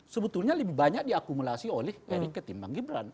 sebetulnya lebih banyak diakumulasi oleh erick ketimbang gibran